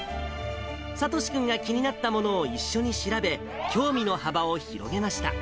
聡志君が気になったものを一緒に調べ、興味の幅を広げました。